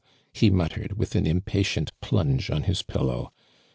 '' he mut tered, with an impatient plunge on his pil low.